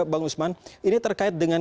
bang usman ini terkait dengan